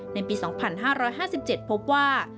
ในปี๒๕๕๗พบว่า